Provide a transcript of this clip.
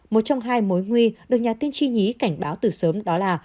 một trong hai mối nguy được nhà tiên tri nhí cảnh báo từ sớm đó là